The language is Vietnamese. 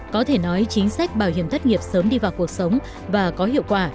có thể nói chính sách bảo hiểm thất nghiệp sớm đi vào cuộc sống và có hiệu quả